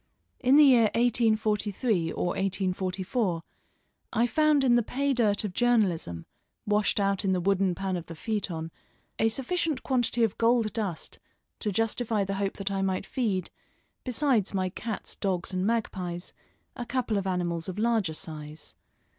In the year 1843 or 1844, I found in the pay dirt of journalism, washed out in the wooden pan of the feuilleton, a sufficient quantity of gold dust to justify the hope that I might feed, besides my cats, dogs, and magpies, a couple of animals of larger size.